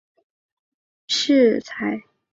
武川众是甲斐国边境的武士团。